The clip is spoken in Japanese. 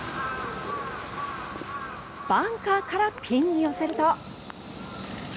バンカーからピンに寄せると